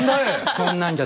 そんなんじゃ